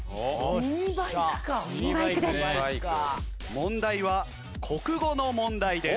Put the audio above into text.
問題は国語の問題です。